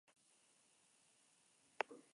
Más tarde se doctoró en la Universidad de Stanford.